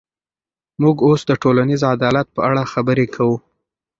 موږ اوس د ټولنیز عدالت په اړه خبرې کوو.